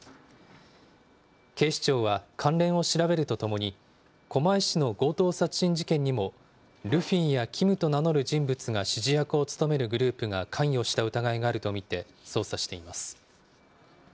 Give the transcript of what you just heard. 警視庁は関連を調べるとともに、狛江市の強盗殺人事件にもルフィやキムと名乗る人物が指示役を務めるグループが関与した疑いがあると見て、捜査しています。